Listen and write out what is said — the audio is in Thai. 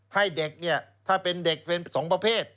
ให้เด็กเนี่ยถ้าเป็นเด็กเป็นสองประเภท